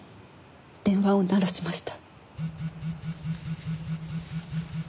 電話を鳴らしました。